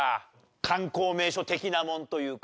観光名所的なものというか。